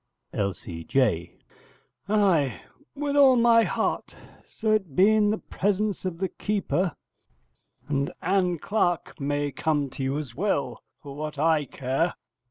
L.C.J. Ay, with all my heart, so it be in the presence of the keeper; and Ann Clark may come to you as well, for what I care.